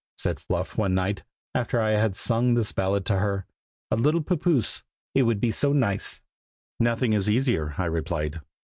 said Fluff one night, after I had sung this ballad to her. "A little pappoose! it would be so nice!" "Nothing is easier!" I replied.